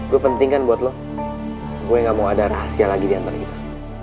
gue penting kan buat lo gue gak mau ada rahasia lagi diantara kita